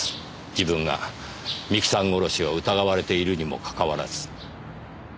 自分が三木さん殺しを疑われているにもかかわらず。